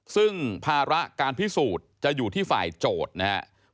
ซึ่งภาระการพิสูจน์จะอยู่ที่ฝ่ายโจทย์นะครับ